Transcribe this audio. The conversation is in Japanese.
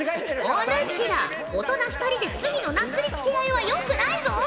お主ら大人２人で罪のなすりつけ合いはよくないぞ！